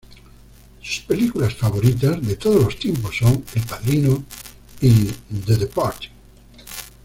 Sus películas favoritas de todos los tiempos son "El padrino" y "The Departed.